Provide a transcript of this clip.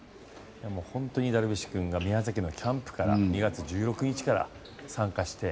本当にダルビッシュ君が宮崎のキャンプから２月１６日から参加して。